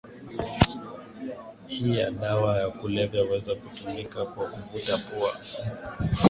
hii ya dawa ya kulevya huweza kutumika kwa kuvuta kwa pua